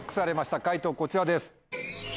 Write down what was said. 解答こちらです。